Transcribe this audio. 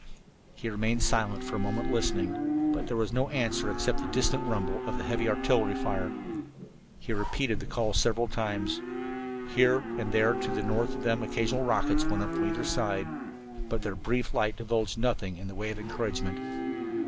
He remained silent for a moment listening, but there was no answer except the distant rumble of the heavy artillery fire. He repeated the call several times. Here and there to the north of them occasional rockets went up from either line, but their brief light divulged nothing in the way of encouragement.